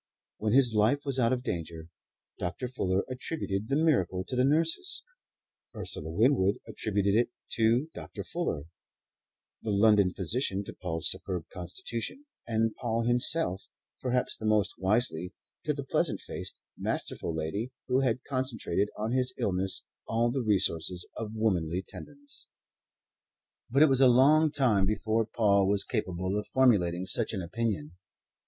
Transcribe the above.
When his life was out of danger, Dr. Fuller attributed the miracle to the nurses; Ursula Winwood attributed it to Dr. Fuller; the London physician to Paul's superb constitution; and Paul himself, perhaps the most wisely, to the pleasant faced, masterful lady who had concentrated on his illness all the resources of womanly tenderness. But it was a long time before Paul was capable of formulating such an opinion.